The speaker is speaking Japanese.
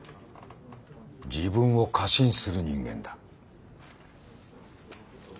自分を過信する人間だ。